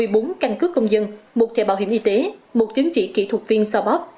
bước công dân một thẻ bảo hiểm y tế một chứng chỉ kỹ thuật viên sao bóp